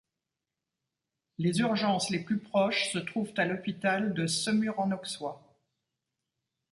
Les urgences les plus proches se trouvent à l’hôpital de Semur-en-Auxois.